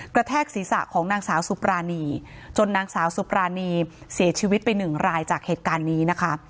แทกศีรษะของนางสาวสุปรานีจนนางสาวสุปรานีเสียชีวิตไปหนึ่งรายจากเหตุการณ์นี้นะคะ